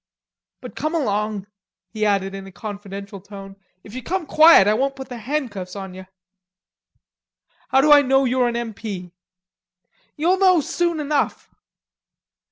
But come along," he added in a confidential tone. "If you come quiet I won't put the handcuffs on ye." "How do I know you're an M. P.?" "You'll know soon enough."